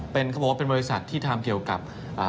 เป็นก็พูดว่าเป็นบริษัทที่ทำเกี่ยวกับเอ่อ